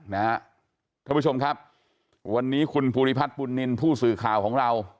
ท่านผู้ชมครับวันนี้คุณภูริพัฒน์บุญนินทร์ผู้สื่อข่าวของเรา